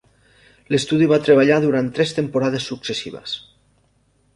L'estudi va treballar durant tres temporades successives.